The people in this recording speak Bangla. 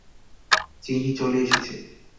চেনি চলে এসেছে।